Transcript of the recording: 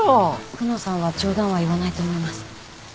久能さんは冗談は言わないと思います。